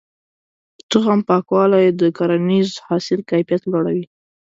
د تخم پاکوالی د کرنیز حاصل کيفيت لوړوي.